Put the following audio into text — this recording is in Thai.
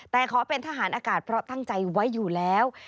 แต่ขอเป็นทหารอากาศเพราะตั้งใจไว้อยู่แล้ว